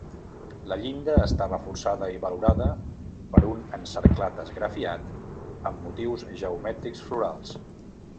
La llinda està reforçada i valorada per un encerclat esgrafiat amb motius geomètrics florals.